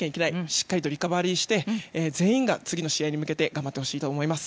しっかりとリカバリーして全員が次の試合に向けて頑張ってほしいと思います。